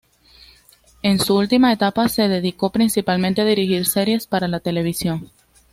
En su última etapa se dedicó principalmente a dirigir series para la televisión.